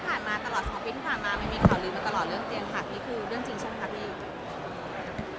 ก็คือที่ผ่านมาตลอด๒ปีที่ผ่านมาไม่มีข่าวลืมมาตลอดเรื่องเตียงหักนี่คือเรื่องจริงใช่ไหมครับพี่